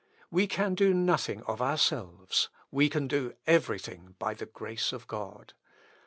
"We can do nothing of ourselves; we can do everything by the grace of God.